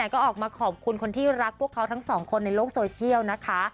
ก็ออกมาขอบคุณคนที่รักพวกเขาทั้งสองคนในโลกโซเชียลนะคะ